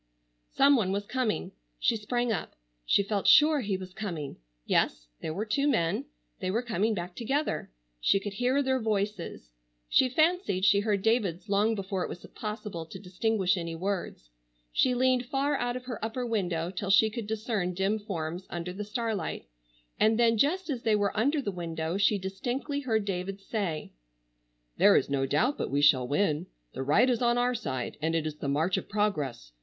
Some one was coming. She sprang up. She felt sure he was coming. Yes, there were two men. They were coming back together. She could hear their voices. She fancied she heard David's long before it was possible to distinguish any words. She leaned far out of her upper window till she could discern dim forms under the starlight, and then just as they were under the window she distinctly heard David say: "There is no doubt but we shall win. The right is on our side, and it is the march of progress.